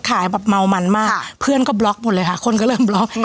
แบบเมามันมากเพื่อนก็บล็อกหมดเลยค่ะคนก็เริ่มบล็อก